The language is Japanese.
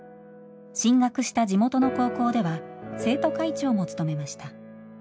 進学した地元の高校では生徒会長も務めました。